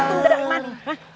antu sedang marik